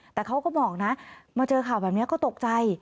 แต่เขาก็บอกนะมาเจอข่าวแบบนี้ก็ตกใจ